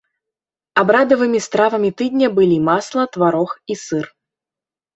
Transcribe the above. Абрадавымі стравамі тыдня былі масла, тварог і сыр.